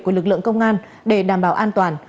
của lực lượng công an để đảm bảo an toàn